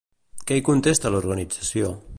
Què hi contesta l'organització?